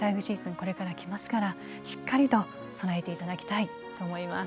これから来ますからしっかりと備えて頂きたいと思います。